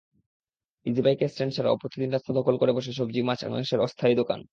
ইজিবাইকের stand ছাড়াও প্রতিদিন রাস্তা দখল করে বসে সবজি, মাছ-মাংসের অস্থায়ী দোকান।